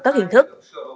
các hình thức